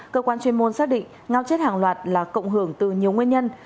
cơ quan chuyên môn xác định ngao chết hàng loạt là cộng hưởng từ nhiều nguyên nhân